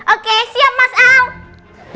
oke siap mas al